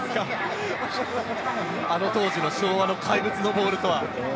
あの当時の昭和の怪物のボールとは。